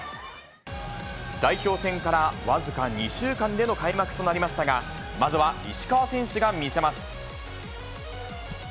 代表戦から僅か２週間での開幕となりましたが、まずは石川選手が見せます。